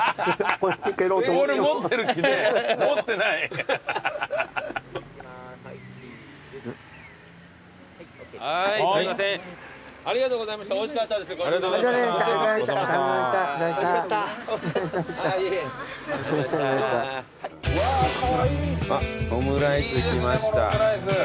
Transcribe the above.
このオムライス。